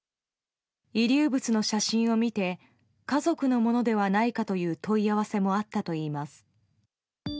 遺留物の写真を見て家族のものではないかという問い合わせもあったといいます。